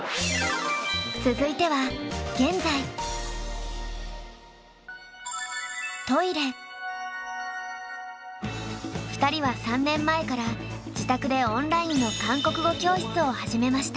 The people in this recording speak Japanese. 続いては２人は３年前から自宅でオンラインの韓国語教室を始めました。